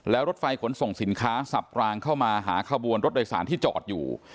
แล้วรถไฟขนส่งสินค้าสับรางเข้ามาหาขบวนรถโดยสารที่จอดอยู่